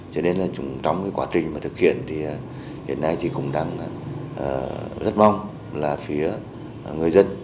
cho nên là trong cái quá trình mà thực hiện thì hiện nay thì cũng đang rất mong là phía người dân